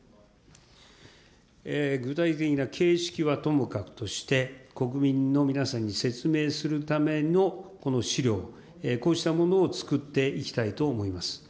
具体的な形式はともかくとして、国民の皆さんに説明するためのこの資料、こうしたものを作っていきたいと思います。